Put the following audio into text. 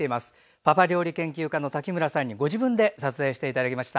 パパ料理研究家の滝村さんにご自分で撮影していただきました。